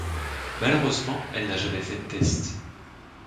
Malheureusement, elle n'a jamais fait de test.